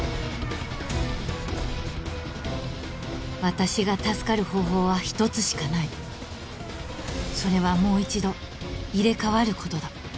私が助かる方法は１つしかないそれはもう一度入れ替わることだ